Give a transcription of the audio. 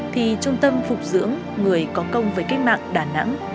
thì trung tâm phục dưỡng người có công với cách mạng đà nẵng